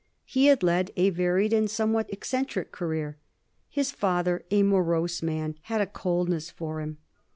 He had led a va ried and somewhat eccentric career. His father, a morose man, had a coldness for him.